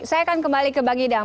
baik saya akan kembali ke bang hidam